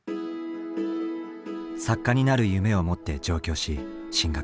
作家になる夢を持って上京し進学。